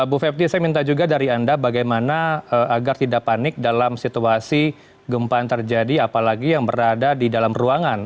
bu fepti saya minta juga dari anda bagaimana agar tidak panik dalam situasi gempa yang terjadi apalagi yang berada di dalam ruangan